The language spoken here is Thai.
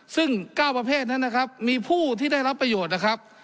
ซึ่ง๙ประเภทนั้นนะครับมีผู้ที่ได้รับประโยชน์นะครับ